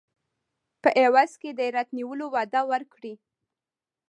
په عوض کې د هرات نیولو وعده ورکړي.